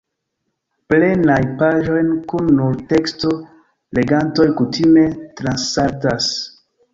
Plenajn paĝojn kun nur teksto legantoj kutime transsaltas.